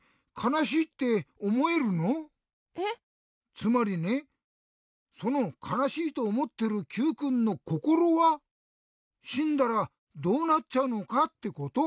つまりねその「かなしい」とおもってるＱくんのこころはしんだらどうなっちゃうのかってこと。